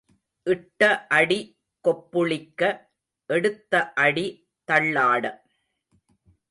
இட்ட அடி கொப்புளிக்க எடுத்த அடி தள்ளாட.